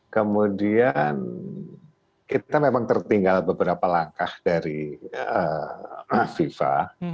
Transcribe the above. kemudian kita memang tertinggal beberapa langkah dari fifa